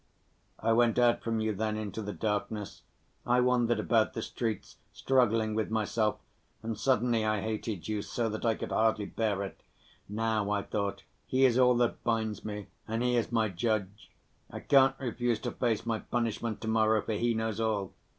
"I went out from you then into the darkness, I wandered about the streets, struggling with myself. And suddenly I hated you so that I could hardly bear it. Now, I thought, he is all that binds me, and he is my judge. I can't refuse to face my punishment to‐morrow, for he knows all.